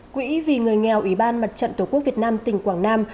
quỹ vì người nghèo ủy ban mặt trận tổ quốc việt nam tỉnh quảng nam